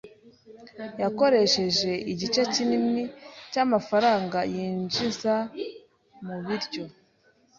Yakoresheje igice kinini cyamafaranga yinjiza mubiryo.